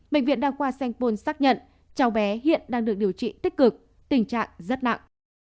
bệnh viện đăng khoa senpon xác nhận cháu bé hiện đang được điều trị tích cực tình trạng rất nặng